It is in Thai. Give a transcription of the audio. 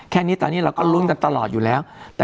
แค่นี้ตอนนี้เราก็ลุ้นกันตลอดอยู่แล้ว